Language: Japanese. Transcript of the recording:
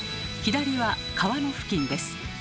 左は皮の付近です。